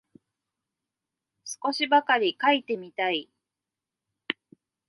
少しばかり書いてみたい